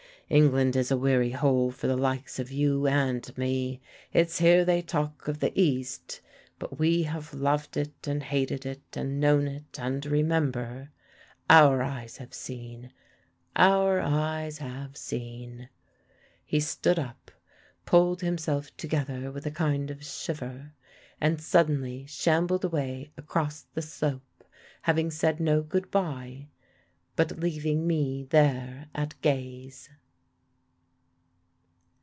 England is a weary hole for the likes of you and me. It's here they talk of the East, but we have loved it and hated it and known it, and remember. Our eyes have seen our eyes have seen." He stood up, pulled himself together with a kind of shiver, and suddenly shambled away across the slope, having said no good bye, but leaving me there at gaze.